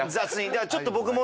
だからちょっと僕も。